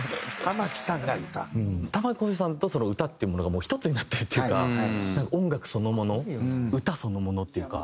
玉置浩二さんと歌っていうものがもうひとつになってるというか音楽そのもの歌そのものっていうか。